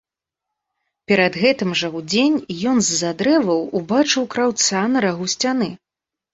Перад гэтым жа, удзень, ён з-за дрэваў убачыў краўца на рагу сцяны.